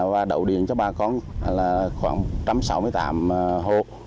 và đậu điện cho bà con là khoảng một trăm sáu mươi tám hộ